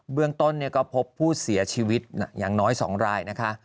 เมืองต้นก็พบผู้เสียชีวิตอย่างน้อย๒รายนะคะ